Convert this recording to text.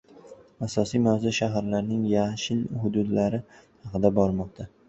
Asosiy mavzu shaharlarning yashil xuxudlari haqida bormoqda.